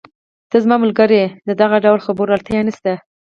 ته زما ملګری یې، د دغه ډول خبرو اړتیا نشته.